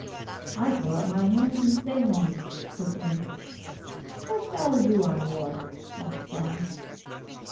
"I throw up my hands, and stay home," said Jim. "What soured you on war?" asked John.